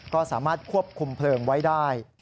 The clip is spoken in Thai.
ก็สามารถควบคุมเพลิงไว้ได้